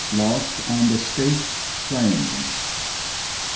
LOST ON THE STAKED PLAINS.